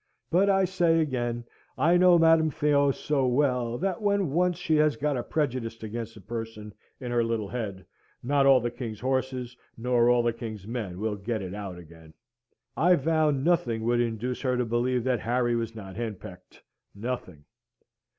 But I say again, I know Madam Theo so well, that when once she has got a prejudice against a person in her little head, not all the king's horses nor all the king's men will get it out again. I vow nothing would induce her to believe that Harry was not henpecked nothing.